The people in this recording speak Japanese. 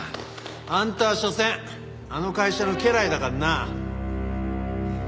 あんたはしょせんあの会社の家来だからな。